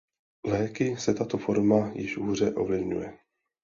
Léky se tato forma již hůře ovlivňuje.